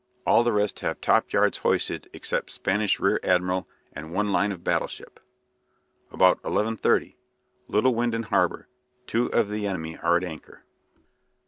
All the rest have top yards hoisted except Spanish rear admiral and one line of battle ship." About 11.3: "Little wind in harbour. Two of the enemy are at anchor."